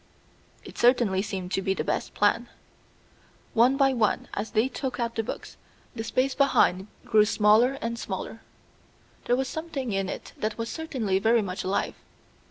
It certainly seemed to be the best plan. One by one, as they took out the books, the space behind grew smaller and smaller. There was something in it that was certainly very much alive.